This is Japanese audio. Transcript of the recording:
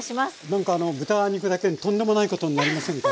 何かあの豚肉だけにトンでもないことになりませんか？